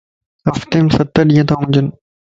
ھفتي مَ ستَ ڏينھن ھونجنتا